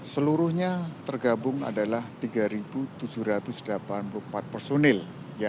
seluruhnya tergabung adalah tiga tujuh ratus delapan puluh empat personil